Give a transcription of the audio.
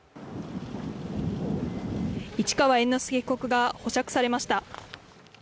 市川猿之助被告が保釈されました。